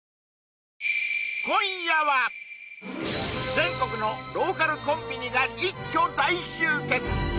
全国のローカルコンビニが一挙大集結！